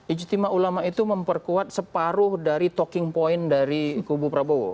ijtima ulama itu memperkuat separuh dari talking point dari kubu prabowo